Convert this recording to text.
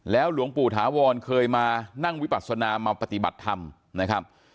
หลวงปู่ถาวรเคยมานั่งวิปัศนามาปฏิบัติธรรมนะครับ